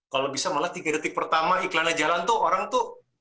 kalau bisa malah tiga detik pertama iklannya jalan tuh orang tuh